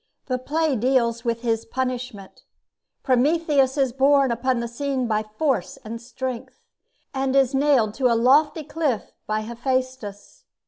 The play deals with his punishment. Prometheus is borne upon the scene by Force and Strength, and is nailed to a lofty cliff by Hephaestus.